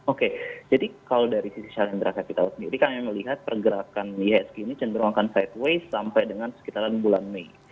oke jadi kalau dari sisi saling berasal kita sendiri kami melihat pergerakan iisg ini cenderung akan side way sampai dengan sekitaran bulan mei